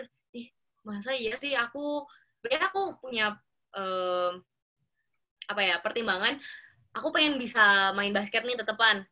nih bahasa iya sih aku berarti aku punya pertimbangan aku pengen bisa main basket nih tetepan